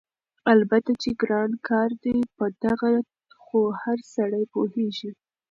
البته چې ګران کار دی په دغه خو هر سړی پوهېږي،